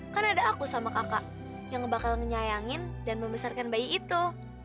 kan ada aku sama kakak yang bakal ngenyayangin dan membesarkan bayi itu